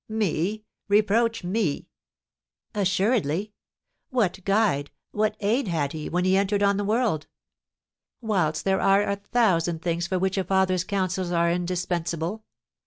"Me? Reproach me?" "Assuredly. What guide, what aid had he, when he entered on the world? whilst there are a thousand things for which a father's counsels are indispensable.